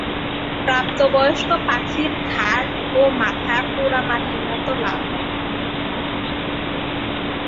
প্রাপ্তবয়স্ক পাখির ঘাড় ও মাথা পোড়ামাটির মতো লাল।